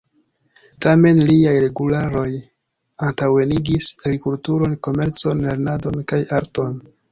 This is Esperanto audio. Tamen liaj regularoj antaŭenigis agrikulturon, komercon, lernadon kaj arton.